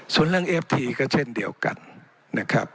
ส่วนเรื่องเอฟทีก็เช่นเดียวกันนะครับ